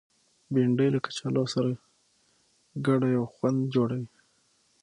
بېنډۍ له کچالو سره ګډه یو خوند جوړوي